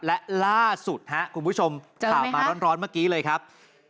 และล่าสุดครับคุณผู้ชมข่าวมาร้อนเมื่อกี้เลยครับ